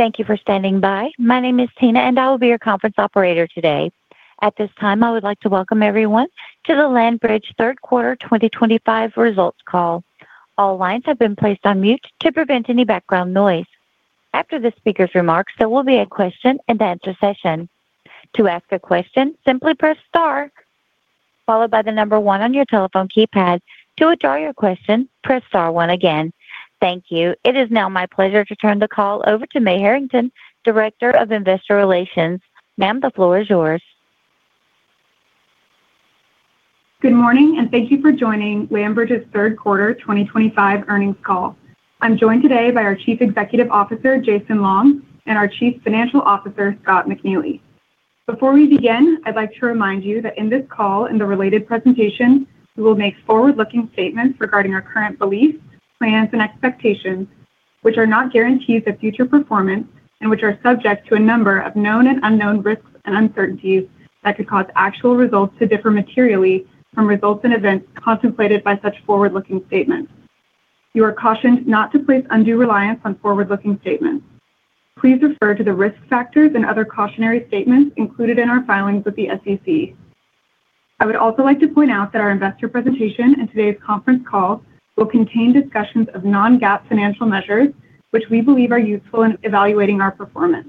Thank you for standing by. My name is Tina, and I will be your conference operator today. At this time, I would like to welcome everyone to the LandBridge Quarter 2025 results call. All lines have been placed on mute to prevent any background noise. After the speaker's remarks, there will be a question-and-answer session. To ask a question, simply press Star, followed by the number one on your telephone keypad. To withdraw your question, press Star one again. Thank you. It is now my pleasure to turn the call over to Mae Harrington, Director of Investor Relations. Ma'am, the floor is yours. Good morning, and thank you for joining LandBridge's Quarter 2025 earnings call. I'm joined today by our Chief Executive Officer, Jason Long, and our Chief Financial Officer, Scott McNeely. Before we begin, I'd like to remind you that in this call and the related presentation, we will make forward-looking statements regarding our current beliefs, plans, and expectations, which are not guarantees of future performance and which are subject to a number of known and unknown risks and uncertainties that could cause actual results to differ materially from results and events contemplated by such forward-looking statements. You are cautioned not to place undue reliance on forward-looking statements. Please refer to the risk factors and other cautionary statements included in our filings with the SEC. I would also like to point out that our investor presentation and today's conference call will contain discussions of non-GAAP financial measures, which we believe are useful in evaluating our performance.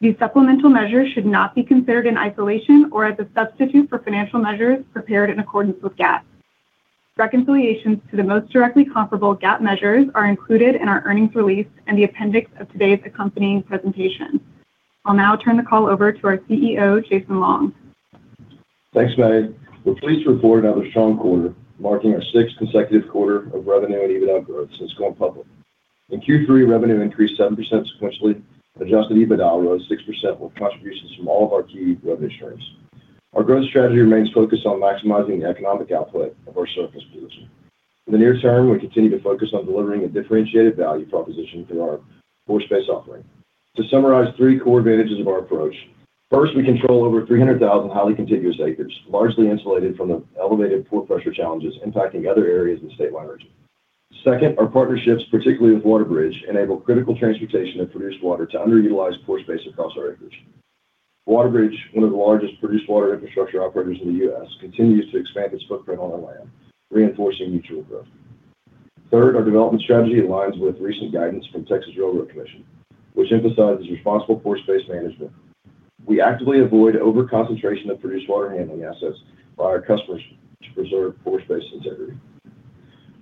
These supplemental measures should not be considered in isolation or as a substitute for financial measures prepared in accordance with GAAP. Reconciliations to the most directly comparable GAAP measures are included in our earnings release and the appendix of today's accompanying presentation. I'll now turn the call over to our CEO, Jason Long. Thanks, Mae. We're pleased to report another strong quarter, marking our sixth consecutive quarter of revenue and EBITDA growth since going public. In Q3, revenue increased 7% sequentially, and adjusted EBITDA rose 6% with contributions from all of our key revenue streams. Our growth strategy remains focused on maximizing the economic output of our surface position. In the near term, we continue to focus on delivering a differentiated value proposition through our force-based offering. To summarize three core advantages of our approach: first, we control over 300,000 highly contiguous acres, largely insulated from the elevated pore pressure challenges impacting other areas in the statewide region. Second, our partnerships, particularly with Water Bridge, enable critical transportation of produced water to underutilized pore space across our acreage. Water Bridge, one of the largest produced water infrastructure operators in the U.S., continues to expand its footprint on our land, reinforcing mutual growth. Third, our development strategy aligns with recent guidance from the Texas Railroad Commission, which emphasizes responsible pore space management. We actively avoid over-concentration of produced water handling assets by our customers to preserve pore space integrity.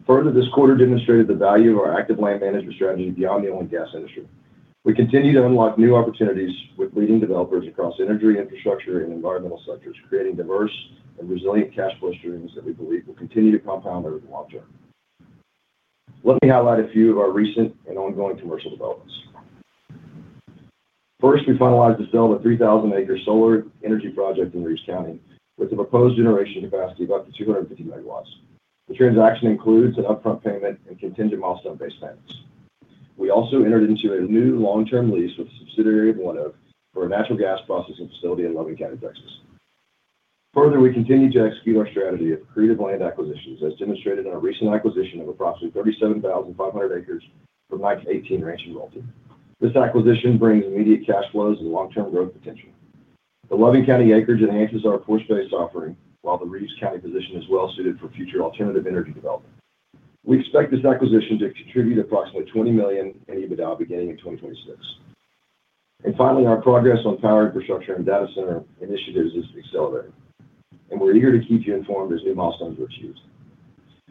Further, this quarter demonstrated the value of our active land management strategy beyond the oil and gas industry. We continue to unlock new opportunities with leading developers across energy, infrastructure, and environmental sectors, creating diverse and resilient cash flow streams that we believe will continue to compound over the long term. Let me highlight a few of our recent and ongoing commercial developments. First, we finalized the sale of a 3,000-acre solar energy project in Reeves County with a proposed generation capacity of up to 250 MW. The transaction includes an upfront payment and contingent milestone-based payments. We also entered into a new long-term lease with a subsidiary of One Oak for a natural gas processing facility in Loving County, Texas. Further, we continue to execute our strategy of creative land acquisitions, as demonstrated in our recent acquisition of approximately 37,500 acres from 1918 Ranch and Realty. This acquisition brings immediate cash flows and long-term growth potential. The Loving County acreage enhances our pore space offering, while the Reeves County position is well-suited for future alternative energy development. We expect this acquisition to contribute approximately $20 million in EBITDA beginning in 2026. Finally, our progress on power infrastructure and data center initiatives is accelerating, and we're eager to keep you informed as new milestones are achieved.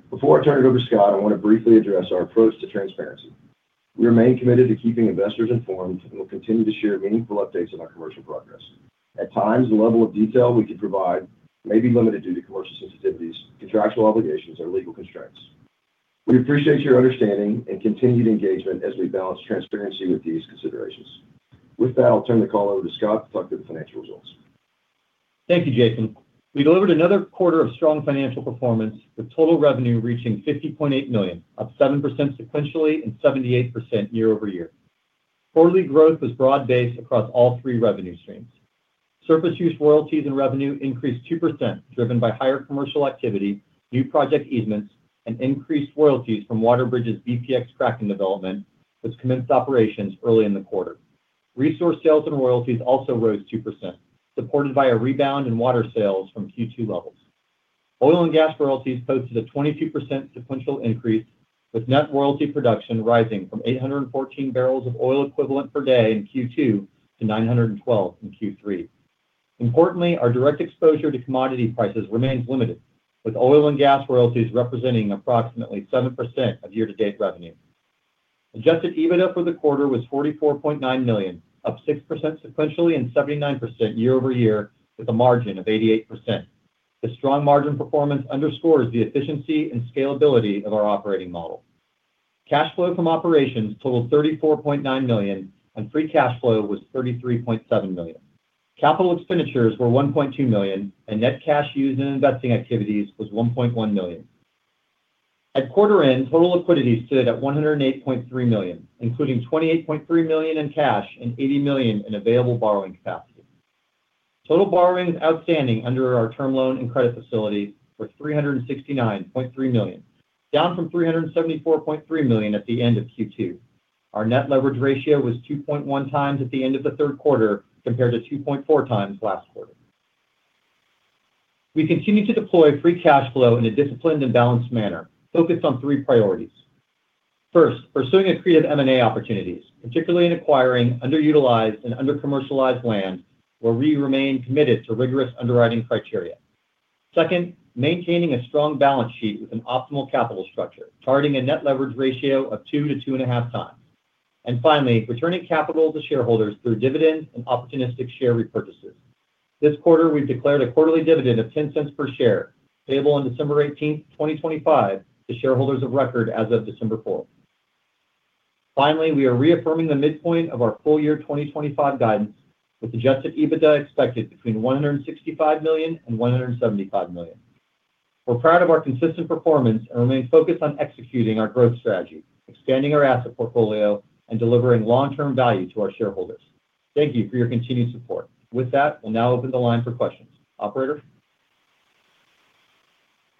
Before I turn it over to Scott, I want to briefly address our approach to transparency. We remain committed to keeping investors informed and will continue to share meaningful updates on our commercial progress. At times, the level of detail we can provide may be limited due to commercial sensitivities, contractual obligations, or legal constraints. We appreciate your understanding and continued engagement as we balance transparency with these considerations. With that, I'll turn the call over to Scott McNeely, Chief Financial Officer. Thank you, Jason. We delivered another quarter of strong financial performance, with total revenue reaching $50.8 million, up 7% sequentially and 78% year-over-year. Quarterly growth was broad-based across all three revenue streams. Surface use royalties and revenue increased 2%, driven by higher commercial activity, new project easements, and increased royalties from Waterbridge's BPX cracking development, which commenced operations early in the quarter. Resource sales and royalties also rose 2%, supported by a rebound in water sales from Q2 levels. Oil and gas royalties posted a 22% sequential increase, with net royalty production rising from 814 barrels of oil equivalent per day in Q2 to 912 in Q3. Importantly, our direct exposure to commodity prices remains limited, with oil and gas royalties representing approximately 7% of year-to-date revenue. Adjusted EBITDA for the quarter was $44.9 million, up 6% sequentially and 79% year-over-year, with a margin of 88%. This strong margin performance underscores the efficiency and scalability of our operating model. Cash flow from operations totaled $34.9 million, and free cash flow was $33.7 million. Capital expenditures were $1.2 million, and net cash used in investing activities was $1.1 million. At quarter-end, total liquidity stood at $108.3 million, including $28.3 million in cash and $80 million in available borrowing capacity. Total borrowings outstanding under our term loan and credit facility were $369.3 million, down from $374.3 million at the end of Q2. Our net leverage ratio was 2.1 times at the end of the third quarter compared to 2.4 times last quarter. We continue to deploy free cash flow in a disciplined and balanced manner, focused on three priorities. First, pursuing accretive M&A opportunities, particularly in acquiring underutilized and under-commercialized land, where we remain committed to rigorous underwriting criteria. Second, maintaining a strong balance sheet with an optimal capital structure, targeting a net leverage ratio of 2-2.5 times. Finally, returning capital to shareholders through dividends and opportunistic share repurchases. This quarter, we've declared a quarterly dividend of $0.10 per share, payable on December 18, 2025, to shareholders of record as of December 4. Finally, we are reaffirming the midpoint of our full-year 2025 guidance, with adjusted EBITDA expected between $165 million and $175 million. We're proud of our consistent performance and remain focused on executing our growth strategy, expanding our asset portfolio, and delivering long-term value to our shareholders. Thank you for your continued support. With that, we'll now open the line for questions. Operator?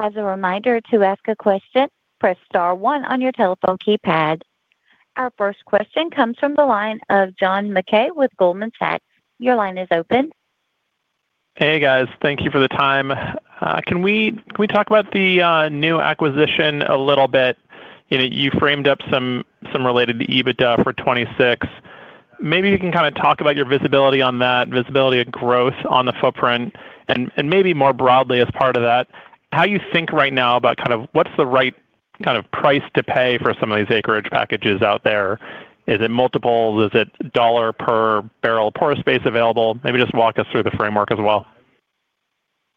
As a reminder to ask a question, press Star one on your telephone keypad. Our first question comes from the line of John McKay with Goldman Sachs. Your line is open. Hey, guys. Thank you for the time. Can we talk about the new acquisition a little bit? You framed up some related to EBITDA for 2026. Maybe we can kind of talk about your visibility on that, visibility of growth on the footprint, and maybe more broadly as part of that, how you think right now about kind of what's the right kind of price to pay for some of these acreage packages out there? Is it multiples? Is it dollar per barrel pore space available? Maybe just walk us through the framework as well.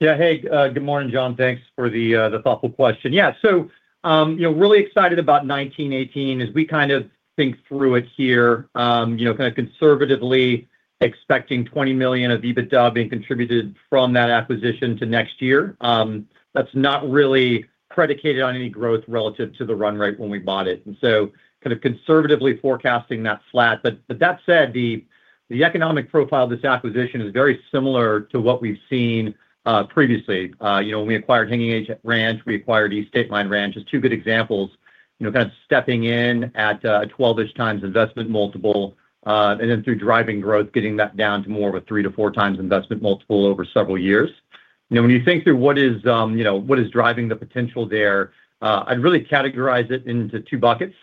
Yeah. Hey, good morning, John. Thanks for the thoughtful question. Yeah. So really excited about 1918 as we kind of think through it here, kind of conservatively expecting $20 million of EBITDA being contributed from that acquisition to next year. That's not really predicated on any growth relative to the run rate when we bought it. Kind of conservatively forecasting that flat. That said, the economic profile of this acquisition is very similar to what we've seen previously. When we acquired Hanging Age Ranch, we acquired East State Line Ranch. Just two good examples, kind of stepping in at a 12-ish times investment multiple, and then through driving growth, getting that down to more of a three to four times investment multiple over several years. When you think through what is driving the potential there, I'd really categorize it into two buckets.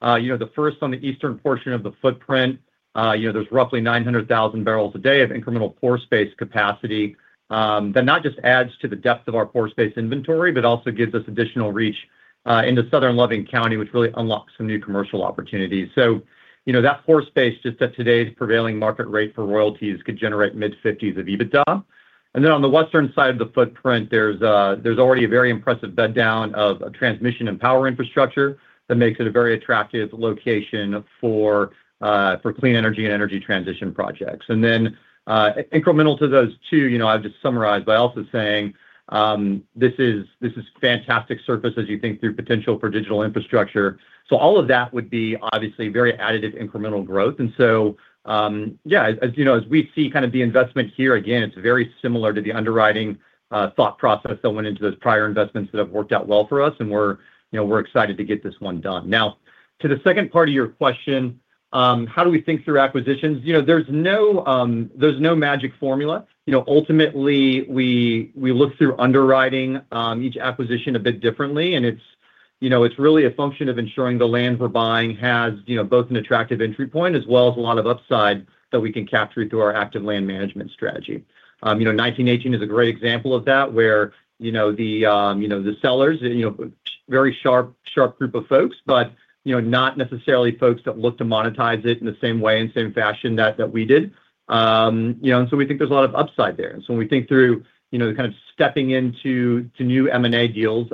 The first, on the eastern portion of the footprint, there's roughly 900,000 barrels a day of incremental pore space capacity. That not just adds to the depth of our pore space inventory, but also gives us additional reach into southern Loving County, which really unlocks some new commercial opportunities. That pore space, just at today's prevailing market rate for royalties, could generate mid-50s of EBITDA. On the western side of the footprint, there's already a very impressive bed down of transmission and power infrastructure that makes it a very attractive location for clean energy and energy transition projects. Incremental to those two, I've just summarized by also saying this is fantastic surface as you think through potential for digital infrastructure. All of that would be obviously very additive incremental growth. Yeah, as we see kind of the investment here again, it's very similar to the underwriting thought process that went into those prior investments that have worked out well for us, and we're excited to get this one done. Now, to the second part of your question, how do we think through acquisitions? There's no magic formula. Ultimately, we look through underwriting each acquisition a bit differently, and it's really a function of ensuring the land we're buying has both an attractive entry point as well as a lot of upside that we can capture through our active land management strategy. 1918 is a great example of that, where the sellers, very sharp group of folks, but not necessarily folks that look to monetize it in the same way and same fashion that we did. We think there's a lot of upside there. When we think through kind of stepping into new M&A deals,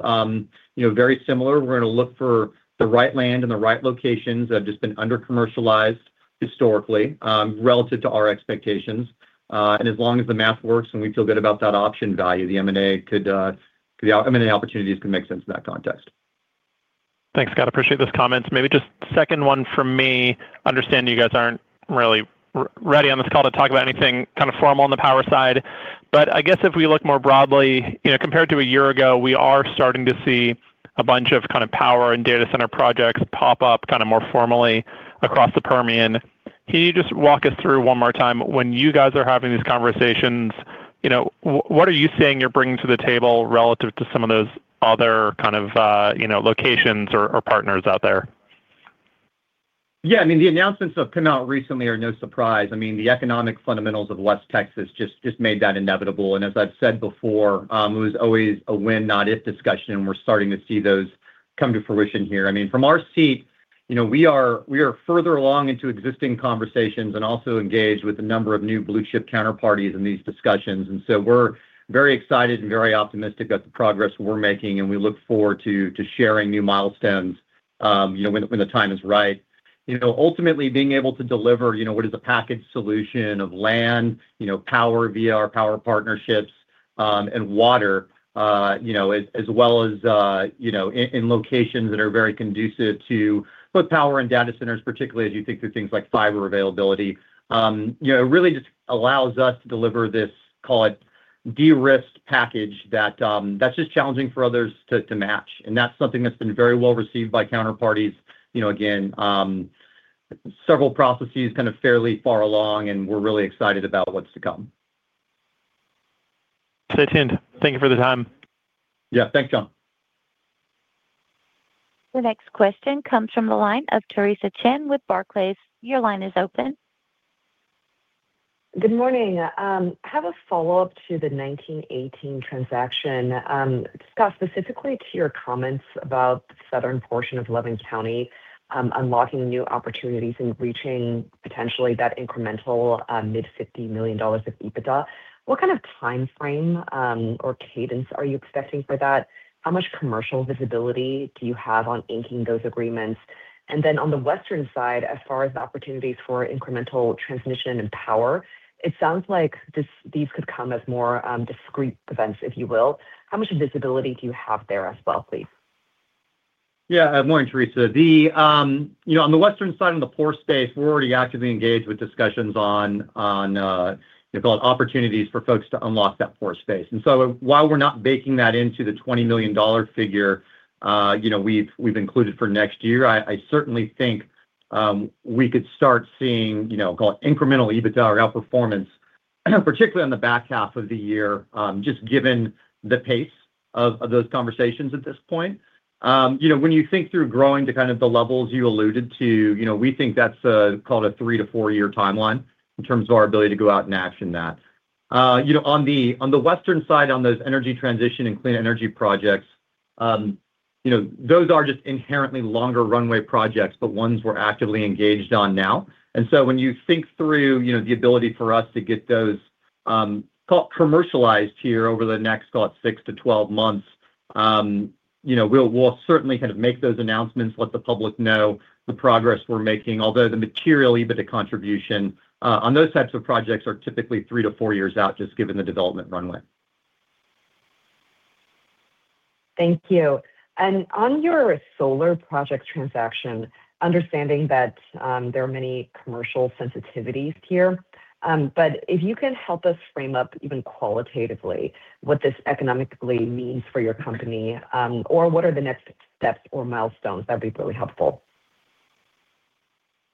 very similar, we're going to look for the right land in the right locations that have just been under-commercialized historically relative to our expectations. As long as the math works and we feel good about that option value, the M&A opportunities could make sense in that context. Thanks, Scott. Appreciate those comments. Maybe just second one for me, understanding you guys aren't really ready on this call to talk about anything kind of formal on the power side. I guess if we look more broadly, compared to a year ago, we are starting to see a bunch of kind of power and data center projects pop up kind of more formally across the Permian. Can you just walk us through one more time when you guys are having these conversations, what are you seeing you're bringing to the table relative to some of those other kind of locations or partners out there? Yeah. I mean, the announcements that have come out recently are no surprise. I mean, the economic fundamentals of West Texas just made that inevitable. As I've said before, it was always a when-not-if discussion, and we're starting to see those come to fruition here. I mean, from our seat, we are further along into existing conversations and also engaged with a number of new blue-chip counterparties in these discussions. We are very excited and very optimistic about the progress we're making, and we look forward to sharing new milestones when the time is right. Ultimately, being able to deliver what is a package solution of land, power via our power partnerships, and water, as well as in locations that are very conducive to both power and data centers, particularly as you think through things like fiber availability, really just allows us to deliver this, call it, de-risk package that's just challenging for others to match. That is something that's been very well received by counterparties. Again, several processes kind of fairly far along, and we're really excited about what's to come. Stay tuned. Thank you for the time. Yeah. Thanks, John. The next question comes from the line of Teresa Chen with Barclays. Your line is open. Good morning. I have a follow-up to the 1918 transaction. Scott, specifically to your comments about the southern portion of Loving County unlocking new opportunities and reaching potentially that incremental mid-$50 million of EBITDA, what kind of timeframe or cadence are you expecting for that? How much commercial visibility do you have on inking those agreements? On the western side, as far as the opportunities for incremental transmission and power, it sounds like these could come as more discreet events, if you will. How much visibility do you have there as well, please? Yeah. Good morning, Teresa. On the western side of the pore space, we're already actively engaged with discussions on, call it, opportunities for folks to unlock that pore space. And so while we're not baking that into the $20 million figure we've included for next year, I certainly think we could start seeing incremental EBITDA or outperformance, particularly in the back half of the year, just given the pace of those conversations at this point. When you think through growing to kind of the levels you alluded to, we think that's a, call it, a three- to four-year timeline in terms of our ability to go out and action that. On the western side, on those energy transition and clean energy projects, those are just inherently longer runway projects, but ones we're actively engaged on now. When you think through the ability for us to get those, call it, commercialized here over the next, call it, 6-12 months, we'll certainly kind of make those announcements, let the public know the progress we're making, although the material EBITDA contribution on those types of projects are typically three to four years out, just given the development runway. Thank you. On your solar project transaction, understanding that there are many commercial sensitivities here, but if you can help us frame up even qualitatively what this economically means for your company, or what are the next steps or milestones, that would be really helpful.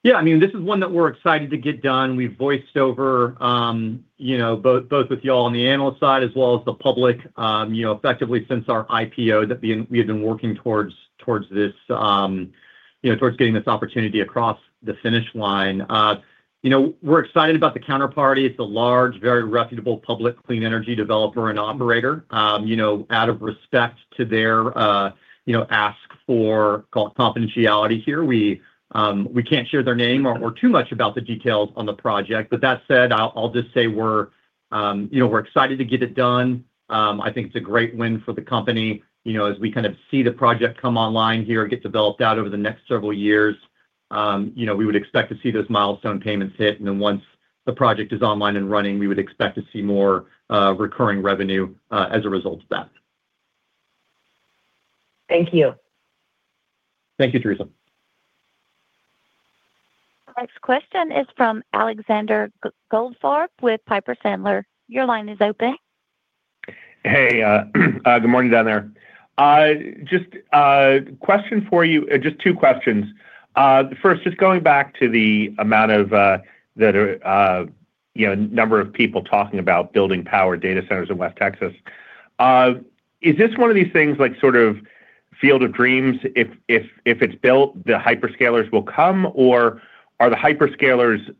Yeah. I mean, this is one that we're excited to get done. We've voiced over both with y'all on the analyst side as well as the public, effectively since our IPO that we had been working towards this, towards getting this opportunity across the finish line. We're excited about the counterparty. It's a large, very reputable public clean energy developer and operator. Out of respect to their ask for, call it, confidentiality here, we can't share their name or too much about the details on the project. That said, I'll just say we're excited to get it done. I think it's a great win for the company. As we kind of see the project come online here, get developed out over the next several years, we would expect to see those milestone payments hit. Once the project is online and running, we would expect to see more recurring revenue as a result of that. Thank you. Thank you, Teresa. The next question is from Alexander Goldfarb with Piper Sandler. Your line is open. Hey. Good morning down there. Just a question for you, just two questions. First, just going back to the amount of the number of people talking about building power data centers in West Texas, is this one of these things like sort of field of dreams? If it's built, the hyperscalers will come, or are the hyperscalers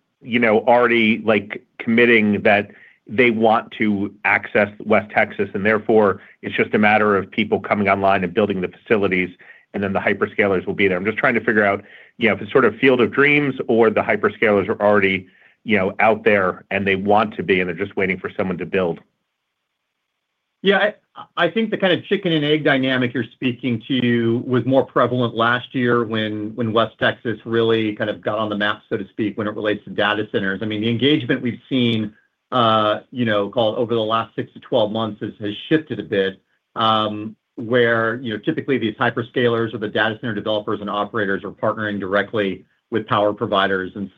already committing that they want to access West Texas? Therefore, it's just a matter of people coming online and building the facilities, and then the hyperscalers will be there. I'm just trying to figure out if it's sort of field of dreams or the hyperscalers are already out there and they want to be, and they're just waiting for someone to build. Yeah. I think the kind of chicken and egg dynamic you're speaking to was more prevalent last year when West Texas really kind of got on the map, so to speak, when it relates to data centers. I mean, the engagement we've seen, call it, over the last 6-12 months has shifted a bit, where typically these hyperscalers or the data center developers and operators are partnering directly with power providers. It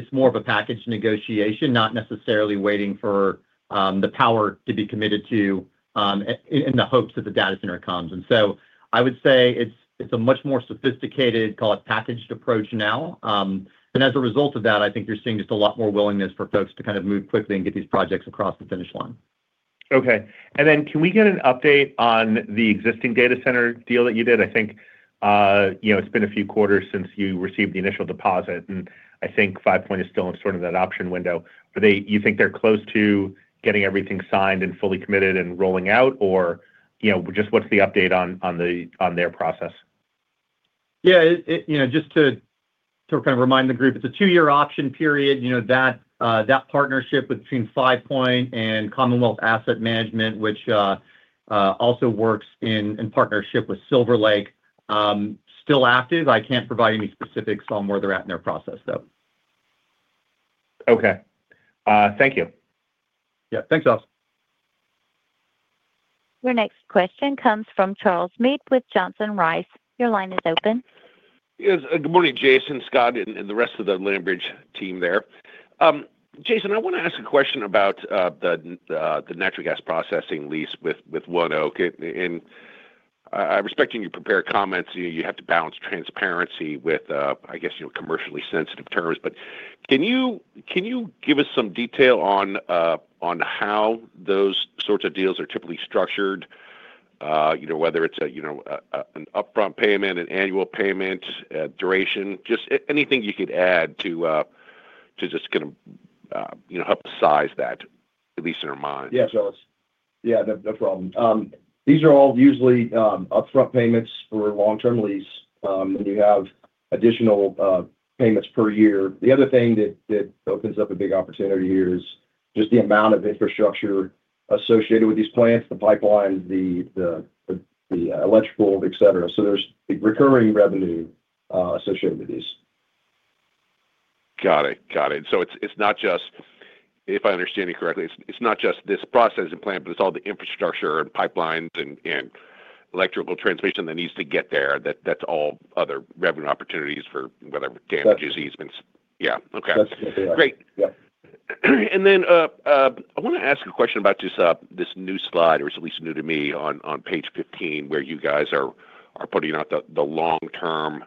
is more of a package negotiation, not necessarily waiting for the power to be committed to in the hopes that the data center comes. I would say it is a much more sophisticated, call it, packaged approach now. As a result of that, I think you're seeing just a lot more willingness for folks to kind of move quickly and get these projects across the finish line. Okay. Can we get an update on the existing data center deal that you did? I think it's been a few quarters since you received the initial deposit, and I think Five Point is still in sort of that option window. Do you think they're close to getting everything signed and fully committed and rolling out, or just what's the update on their process? Yeah. Just to kind of remind the group, it's a two-year option period. That partnership between Five Point and Commonwealth Asset Management, which also works in partnership with Silver Lake, still active. I can't provide any specifics on where they're at in their process, though. Okay. Thank you. Yeah. Thanks, Alex. Your next question comes from Charles Mead with Johnson Rice. Your line is open. Good morning, Jason, Scott, and the rest of the LandBridge team there. Jason, I want to ask a question about the natural gas processing lease with One Oak. And respecting your prepared comments, you have to balance transparency with, I guess, commercially sensitive terms. But can you give us some detail on how those sorts of deals are typically structured, whether it's an upfront payment, an annual payment, duration? Just anything you could add to just kind of help size that, at least in our minds. Yeah, Charles. Yeah, no problem. These are all usually upfront payments for long-term lease, and you have additional payments per year. The other thing that opens up a big opportunity here is just the amount of infrastructure associated with these plants, the pipelines, the electrical, etc. There is recurring revenue associated with these. Got it. Got it. So if I understand you correctly, it's not just this processing plant, but it's all the infrastructure and pipelines and electrical transmission that needs to get there. That's all other revenue opportunities for whatever damages, easements. That's correct. Yeah. Okay. Great. I want to ask a question about just this new slide, or it's at least new to me on page 15, where you guys are putting out the long-term,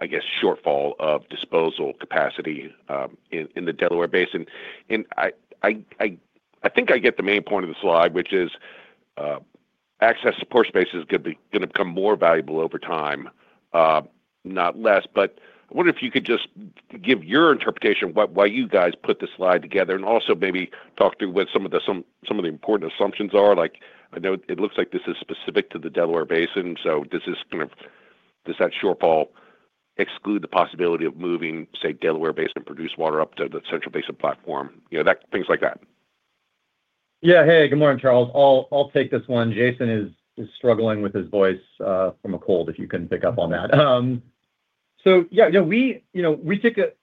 I guess, shortfall of disposal capacity in the Delaware Basin. I think I get the main point of the slide, which is access to pore space is going to become more valuable over time, not less. I wonder if you could just give your interpretation of why you guys put the slide together and also maybe talk through what some of the important assumptions are. It looks like this is specific to the Delaware Basin, so does that shortfall exclude the possibility of moving, say, Delaware Basin produced water up to the Central Basin platform? Things like that. Yeah. Hey, good morning, Charles. I'll take this one. Jason is struggling with his voice from a cold, if you can pick up on that. Yeah, we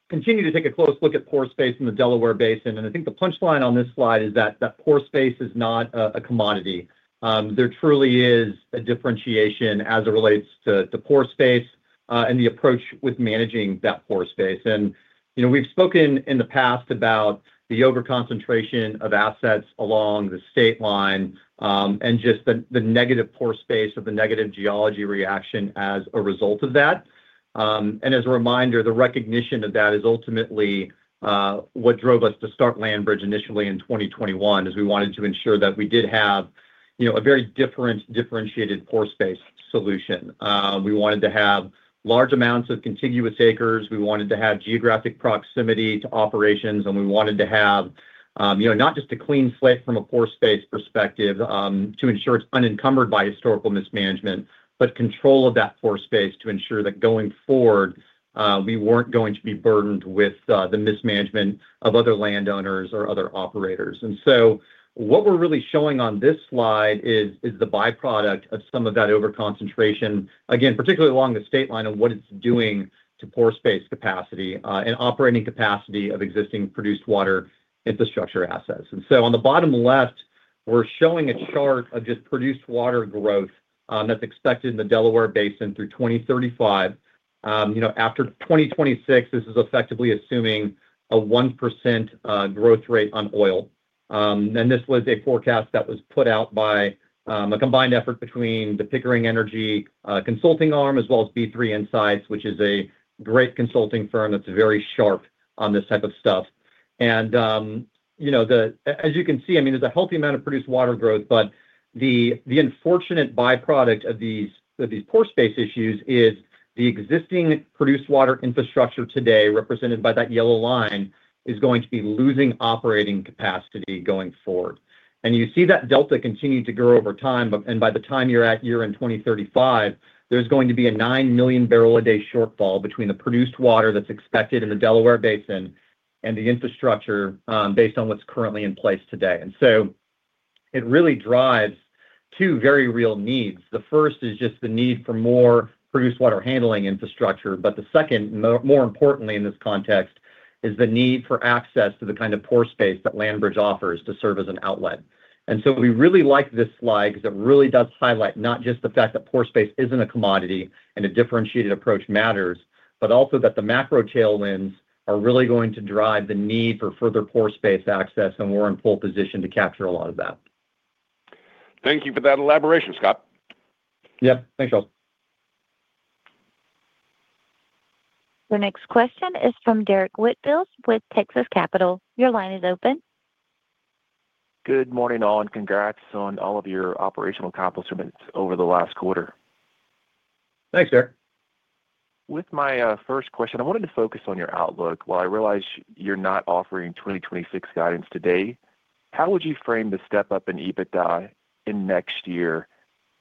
continue to take a close look at pore space in the Delaware Basin. I think the punchline on this slide is that pore space is not a commodity. There truly is a differentiation as it relates to pore space and the approach with managing that pore space. We've spoken in the past about the overconcentration of assets along the state line and just the negative pore space or the negative geology reaction as a result of that. As a reminder, the recognition of that is ultimately what drove us to start LandBridge initially in 2021, as we wanted to ensure that we did have a very different, differentiated pore space solution. We wanted to have large amounts of contiguous acres. We wanted to have geographic proximity to operations, and we wanted to have not just a clean slate from a pore space perspective to ensure it is unencumbered by historical mismanagement, but control of that pore space to ensure that going forward, we were not going to be burdened with the mismanagement of other landowners or other operators. What we are really showing on this slide is the byproduct of some of that overconcentration, again, particularly along the state line and what it is doing to pore space capacity and operating capacity of existing produced water infrastructure assets. On the bottom left, we are showing a chart of just produced water growth that is expected in the Delaware Basin through 2035. After 2026, this is effectively assuming a 1% growth rate on oil. This was a forecast that was put out by a combined effort between the Pickering Energy Partners consulting arm as well as B3 Insights, which is a great consulting firm that's very sharp on this type of stuff. As you can see, I mean, there's a healthy amount of produced water growth, but the unfortunate byproduct of these pore space issues is the existing produced water infrastructure today, represented by that yellow line, is going to be losing operating capacity going forward. You see that delta continue to grow over time. By the time you're at year 2035, there's going to be a nine million barrel a day shortfall between the produced water that's expected in the Delaware Basin and the infrastructure based on what's currently in place today. It really drives two very real needs. The first is just the need for more produced water handling infrastructure. The second, more importantly in this context, is the need for access to the kind of pore space that LandBridge offers to serve as an outlet. We really like this slide because it really does highlight not just the fact that pore space is not a commodity and a differentiated approach matters, but also that the macro tailwinds are really going to drive the need for further pore space access, and we are in full position to capture a lot of that. Thank you for that elaboration, Scott. Yep. Thanks, Charles. The next question is from Derek Whitfield with Texas Capital. Your line is open. Good morning, all, and congrats on all of your operational accomplishments over the last quarter. Thanks, Derek. With my first question, I wanted to focus on your outlook. While I realize you're not offering 2026 guidance today, how would you frame the step-up in EBITDA in next year,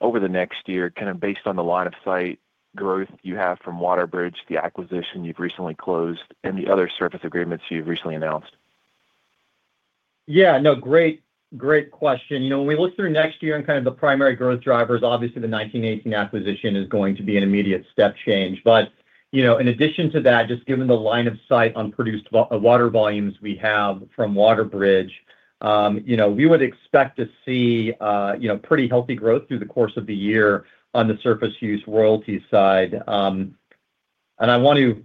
over the next year, kind of based on the line of sight growth you have from Waterbridge, the acquisition you've recently closed, and the other service agreements you've recently announced? Yeah. No, great question. When we look through next year and kind of the primary growth drivers, obviously the 1918 acquisition is going to be an immediate step change. In addition to that, just given the line of sight on produced water volumes we have from Waterbridge, we would expect to see pretty healthy growth through the course of the year on the surface use royalties side. We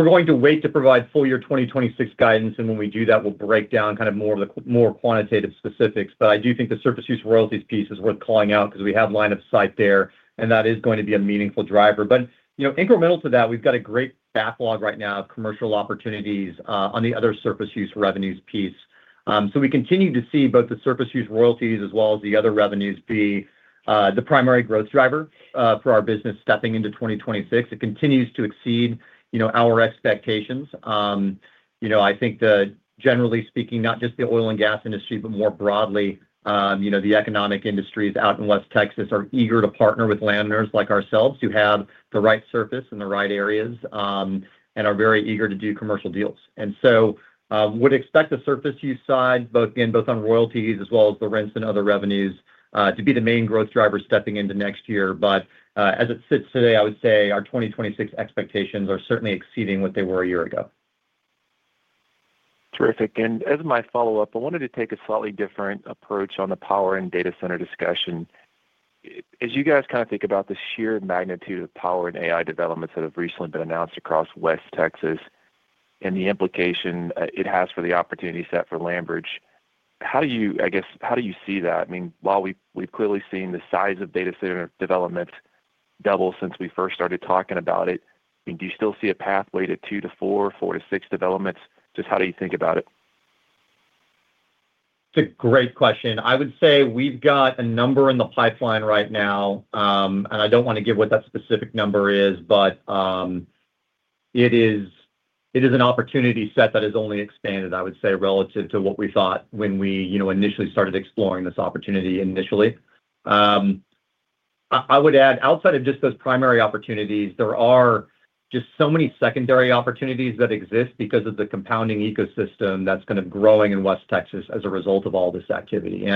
are going to wait to provide full year 2026 guidance, and when we do that, we'll break down kind of more quantitative specifics. I do think the surface use royalties piece is worth calling out because we have line of sight there, and that is going to be a meaningful driver. Incremental to that, we've got a great backlog right now of commercial opportunities on the other surface use revenues piece. We continue to see both the surface use royalties as well as the other revenues be the primary growth driver for our business stepping into 2026. It continues to exceed our expectations. I think, generally speaking, not just the oil and gas industry, but more broadly, the economic industries out in West Texas are eager to partner with landowners like ourselves who have the right surface in the right areas and are very eager to do commercial deals. We would expect the surface use side, again, both on royalties as well as the rents and other revenues to be the main growth driver stepping into next year. As it sits today, I would say our 2026 expectations are certainly exceeding what they were a year ago. Terrific. As my follow-up, I wanted to take a slightly different approach on the power and data center discussion. As you guys kind of think about the sheer magnitude of power and AI developments that have recently been announced across West Texas and the implication it has for the opportunity set for LandBridge, how do you, I guess, how do you see that? I mean, while we've clearly seen the size of data center developments double since we first started talking about it, do you still see a pathway to two to four, four to six developments? Just how do you think about it? It's a great question. I would say we've got a number in the pipeline right now, and I don't want to give what that specific number is, but it is an opportunity set that has only expanded, I would say, relative to what we thought when we initially started exploring this opportunity initially. I would add, outside of just those primary opportunities, there are just so many secondary opportunities that exist because of the compounding ecosystem that's kind of growing in West Texas as a result of all this activity.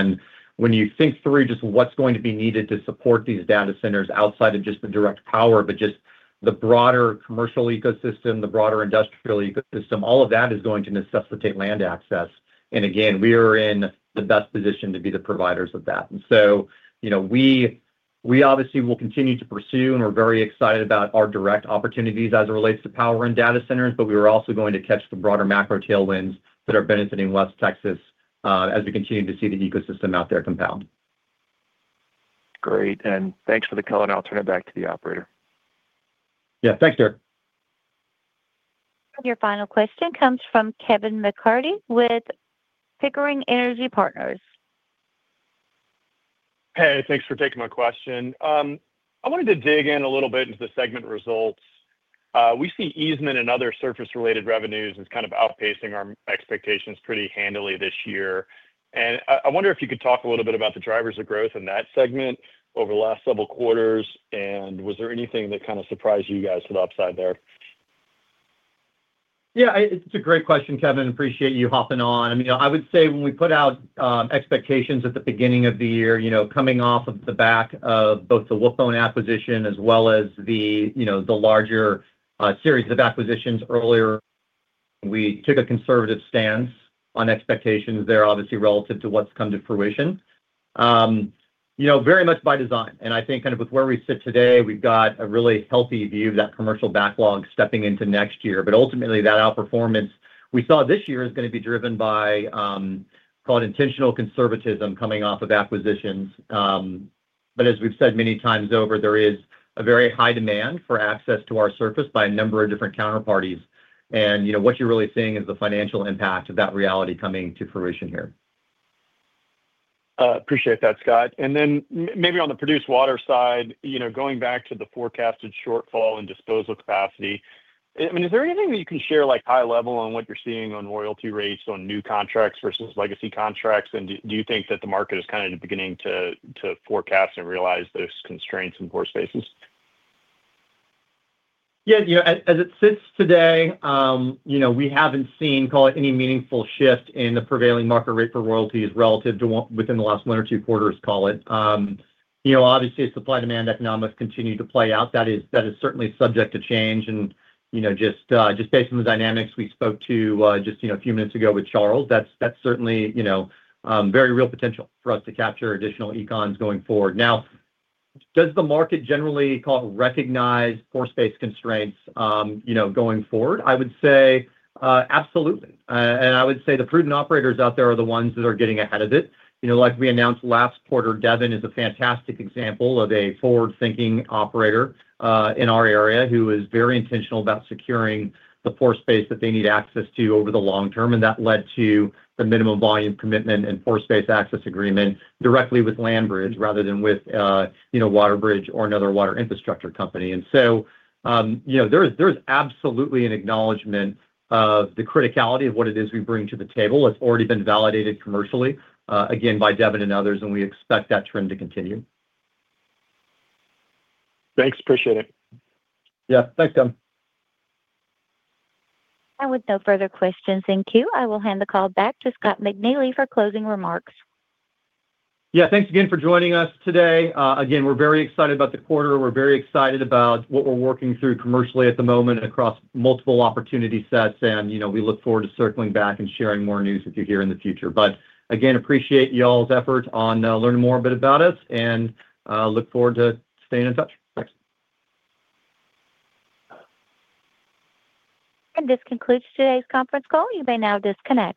When you think through just what's going to be needed to support these data centers outside of just the direct power, but just the broader commercial ecosystem, the broader industrial ecosystem, all of that is going to necessitate land access. Again, we are in the best position to be the providers of that. We obviously will continue to pursue, and we're very excited about our direct opportunities as it relates to power and data centers, but we are also going to catch the broader macro tailwinds that are benefiting West Texas as we continue to see the ecosystem out there compound. Great. Thanks for the call, and I'll turn it back to the operator. Yeah. Thanks, Derek. Your final question comes from Kevin McCarty with Pickering Energy Partners. Hey, thanks for taking my question. I wanted to dig in a little bit into the segment results. We see easement and other surface-related revenues as kind of outpacing our expectations pretty handily this year. I wonder if you could talk a little bit about the drivers of growth in that segment over the last several quarters, and was there anything that kind of surprised you guys to the upside there? Yeah. It's a great question, Kevin. Appreciate you hopping on. I mean, I would say when we put out expectations at the beginning of the year, coming off of the back of both the Whipple and acquisition as well as the larger series of acquisitions earlier, we took a conservative stance on expectations there, obviously relative to what's come to fruition, very much by design. I think kind of with where we sit today, we've got a really healthy view of that commercial backlog stepping into next year. Ultimately, that outperformance we saw this year is going to be driven by called intentional conservatism coming off of acquisitions. As we've said many times over, there is a very high demand for access to our surface by a number of different counterparties. What you're really seeing is the financial impact of that reality coming to fruition here. Appreciate that, Scott. Maybe on the produced water side, going back to the forecasted shortfall in disposal capacity, I mean, is there anything that you can share high level on what you're seeing on royalty rates on new contracts versus legacy contracts? Do you think that the market is kind of beginning to forecast and realize those constraints in pore spaces? Yeah. As it sits today, we have not seen, call it, any meaningful shift in the prevailing market rate for royalties relative to within the last one or two quarters, call it. Obviously, supply-demand economics continue to play out. That is certainly subject to change. Just based on the dynamics we spoke to just a few minutes ago with Charles, that is certainly very real potential for us to capture additional econ going forward. Now, does the market generally, call it, recognize pore space constraints going forward? I would say absolutely. I would say the prudent operators out there are the ones that are getting ahead of it. Like we announced last quarter, Devon is a fantastic example of a forward-thinking operator in our area who is very intentional about securing the pore space that they need access to over the long term. That led to the minimum volume commitment and pore space access agreement directly with LandBridge rather than with Waterbridge or another water infrastructure company. There is absolutely an acknowledgment of the criticality of what it is we bring to the table. It has already been validated commercially, again, by Devon and others, and we expect that trend to continue. Thanks. Appreciate it. Yeah. Thanks, Tim. With no further questions, thank you. I will hand the call back to Scott McNeely for closing remarks. Yeah. Thanks again for joining us today. Again, we're very excited about the quarter. We're very excited about what we're working through commercially at the moment across multiple opportunity sets. We look forward to circling back and sharing more news with you here in the future. Again, appreciate y'all's effort on learning more a bit about us and look forward to staying in touch. Thanks. This concludes today's conference call. You may now disconnect.